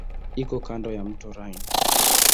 Iko kando ya mto Rhine.